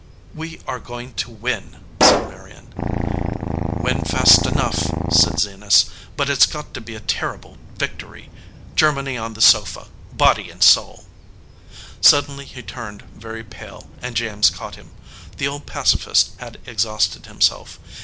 "We are going to win," said Marion. "Win fast enough," said Zenas, "but it s got to be a terrible victory. Germany on the sofa, body and soul !" Suddenly he turned very pale and James caught him. The old pacifist had exhausted himself.